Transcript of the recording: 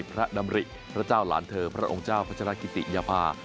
พระดำริพระเจ้าหลานเธอพระองค์เจ้าพัชรกิติยภา